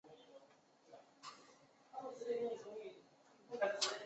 沮渠秉卢水胡人。